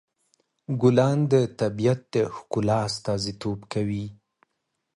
ګلان د طبیعت د ښکلا استازیتوب کوي.